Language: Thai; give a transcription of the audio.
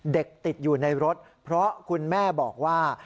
เด็กติดอยู่ในรถเพราะคุณแม่บอกว่า